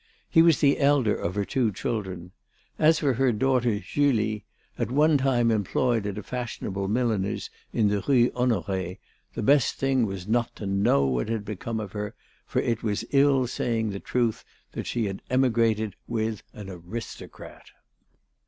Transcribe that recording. He was the elder of her two children. As for her daughter Julie, at one time employed at a fashionable milliner's in the Rue Honoré, the best thing was not to know what had become of her, for it was ill saying the truth, that she had emigrated with an aristocrat.